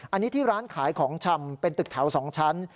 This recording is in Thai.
อันนี้ที่ร้านขายของชำเป็นตึกแถว๒ชั้น